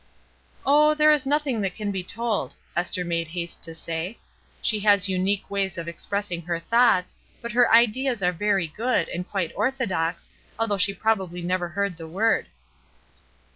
"Oh, there is nothing that can be told," Esther made haste to say. "She has unique ways of expressing her thoughts, but her ideas are very good, and quite orthodox, although she probably never heard the word."